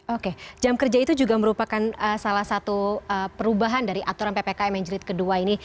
oke jam kerja itu juga merupakan salah satu perubahan dari aturan ppkm yang jelit kedua ini